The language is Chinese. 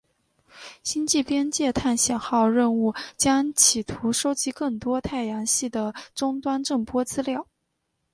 星际边界探险号任务将企图收集更多太阳系的终端震波资料。